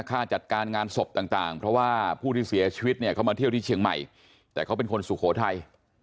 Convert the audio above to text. ค่าจัดการงานศพต่างเพราะว่าผู้ที่เสียชีวิตเนี่ยเขามาเที่ยวที่เชียงใหม่แต่เขาเป็นคนสุโขทัย